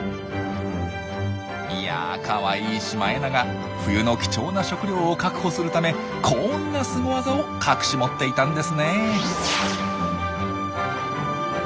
いやあかわいいシマエナガ冬の貴重な食料を確保するためこんなスゴ技を隠し持っていたんですねえ。